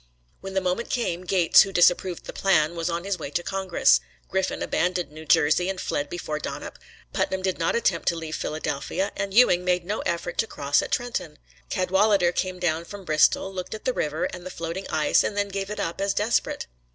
When the moment came, Gates, who disapproved the plan, was on his way to Congress; Griffin abandoned New Jersey and fled before Donop; Putnam did not attempt to leave Philadelphia; and Ewing made no effort to cross at Trenton. Cadwalader came down from Bristol, looked at the river and the floating ice, and then gave it up as desperate.